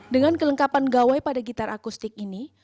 dengan kelengkapan gawai pada gitar akustik ini